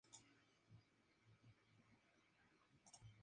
Pasó luego a la Inspección General de Armas en la ciudad de Buenos Aires.